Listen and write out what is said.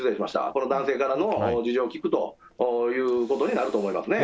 この男性からの事情を聴くということになると思いますね。